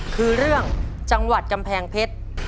คือเรื่องจังหวัดกำแพงเพชร